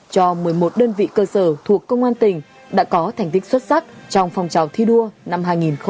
cho một mươi một đơn vị cơ sở thuộc công an tỉnh đã có thành tích xuất sắc trong phong trào thi đua năm hai nghìn hai mươi ba